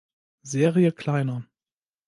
Serie kleiner.